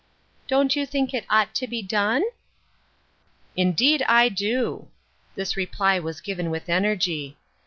"Don't you think it ought to be done ?"" Indeed I do ;" this reply was given with energy.